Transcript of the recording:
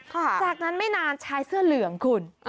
จากนั้นไม่นานชายเสื้อเหลืองคุณ